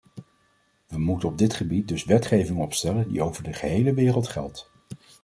We moeten op dit gebied dus wetgeving opstellen die over de gehele wereld geldt.